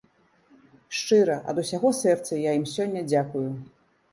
Шчыра, ад усяго сэрца я ім сёння дзякую.